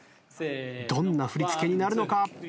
どんな振り付けになるのか？